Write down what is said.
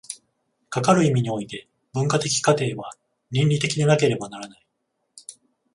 かかる意味において、文化的過程は倫理的でなければならない。